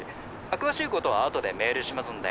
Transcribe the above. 詳しいことはあとでメールしますんで。